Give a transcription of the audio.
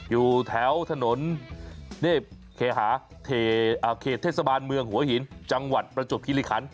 อยู่แถวถนนเขตเทศบาลเมืองหัวหินจังหวัดประจวบคิริคัน